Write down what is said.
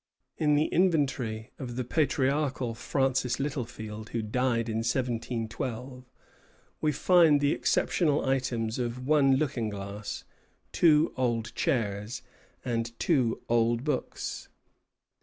In the inventory of the patriarchal Francis Littlefield, who died in 1712, we find the exceptional items of one looking glass, two old chairs, and two old books.